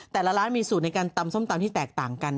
แต่ละร้านมีสูตรในการตำส้มตำที่แตกต่างกัน